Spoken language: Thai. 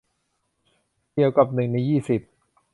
เกี่ยวกับหนึ่งในยี่สิบ